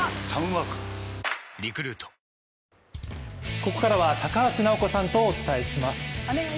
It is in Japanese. ここからは高橋尚子さんとお伝えします。